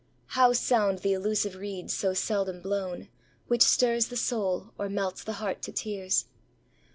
How sound the elusive reed so seldom blown, Which stirs the soul or melts the heart to tears?